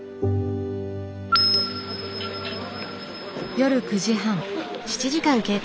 夜９時半。